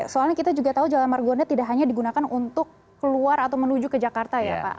soalnya kita juga tahu jalan margonda tidak hanya digunakan untuk keluar atau menuju ke jakarta ya pak